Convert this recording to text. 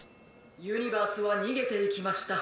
「ユニバースはにげていきました。